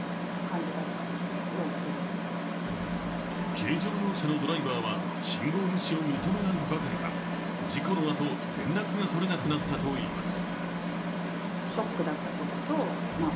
軽乗用車のドライバーは信号無視を認めないばかりか事故のあと、連絡が取れなくなったといいます。